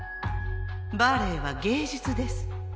バレエは芸術です。